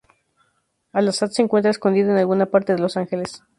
Al-Assad se encuentra escondido en alguna parte de Los Ángeles.